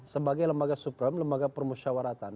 sebagai lembaga supreme lembaga permusyawaratan